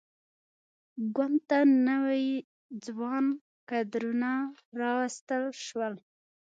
ګوند ته نوي ځوان کدرونه راوستل شول.